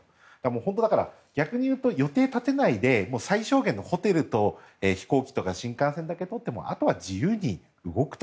本当だから、逆に言うと予定を立てないで最小限のホテルとか飛行機とか新幹線だけ取ってあとは自由に動くと。